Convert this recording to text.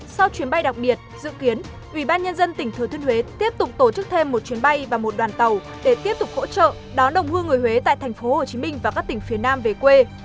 sau chuyến bay đặc biệt dự kiến ủy ban nhân dân tỉnh thừa thuyên huế tiếp tục tổ chức thêm một chuyến bay và một đoàn tàu để tiếp tục hỗ trợ đón đồng hương người huế tại tp hcm và các tỉnh phía nam về quê